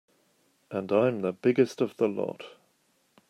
And I'm the biggest of the lot.